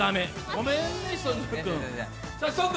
ごめんね、志尊君。